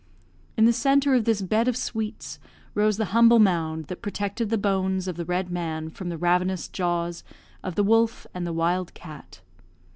In the centre of this bed of sweets rose the humble mound that protected the bones of the red man from the ravenous jaws of the wolf and the wild cat.